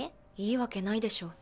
いいわけないでしょ。